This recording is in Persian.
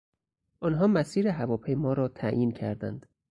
آنها مسیر هواپیما را تعیین کردند.